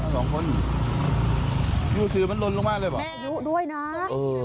รู้สึกว่ามันลนลงมาเลยหรอ